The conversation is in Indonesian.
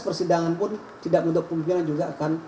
persidangan pun tidak untuk pemimpinan juga akan